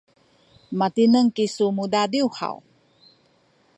matineng kisu mudadiw haw?